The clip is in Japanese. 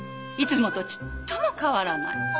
いつもとちっとも変わらない。